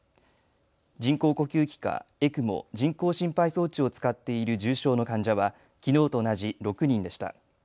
人工呼吸器かＥＣＭＯ・人工心肺装置を使っている重症の患者はきのうと同じ６人でした。